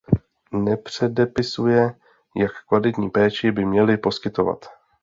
Nepředepisuje, jak kvalitní péči by měly poskytovat.